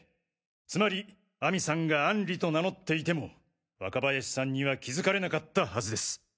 つまり亜美さんがアンリと名乗っていても若林さんには気づかれなかったはずです。